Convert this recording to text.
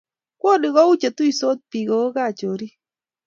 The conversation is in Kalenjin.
kwoni kou cheituisot biik ako kaa chorik